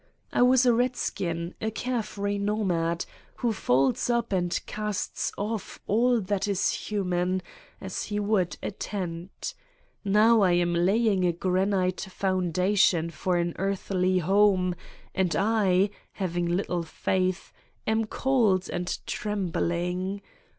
I was a redskin, a carefree nomad, who folds up and casts off all that is human, as he would a tent. Now I am lay 134 \ Satan's Diary ing a granite foundation for an earthly home and I, having little faith, am cold and trembling.